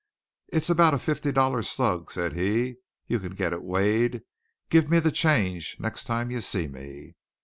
"It's about a fifty dollar slug," said he, "you can get it weighed. Give me the change next time you see me."